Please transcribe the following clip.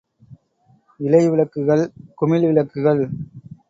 இழைவிளக்குகள் குமிழ் விளக்குகள்.